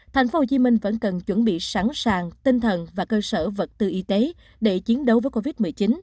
tp hcm vẫn cần chuẩn bị sẵn sàng tinh thần và cơ sở vật tư y tế để chiến đấu với covid một mươi chín